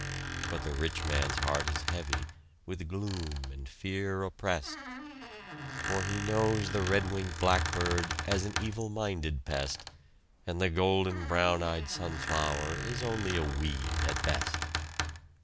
But the rich man's heart is heavy, With gloom and fear opprest; For he knows the red winged blackbird As an evil minded pest, And the golden brown eyed sunflower Is only a weed, at best!